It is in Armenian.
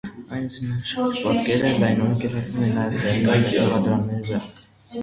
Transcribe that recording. Այս զինանշանի պատկերը լայնորեն կիրառվում է նաև հրեական մետաղադրամների վրա։